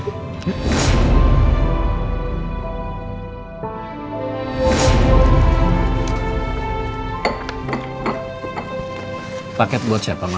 dan aku bisa trump darimu